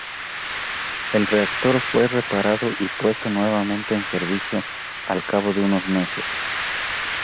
El reactor fue reparado y puesto nuevamente en servicio al cabo de unos meses.